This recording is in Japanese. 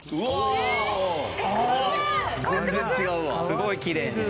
すごいきれいに。